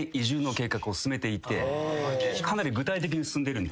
かなり具体的に進んでるんです。